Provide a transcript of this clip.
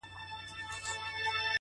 ستا د ښايستې خولې ښايستې خبري-